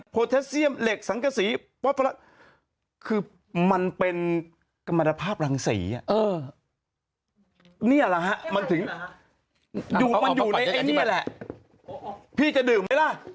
พี่จะดื่มไหมล่ะ